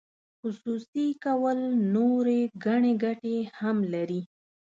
خصوصي کول نورې ګڼې ګټې هم لري.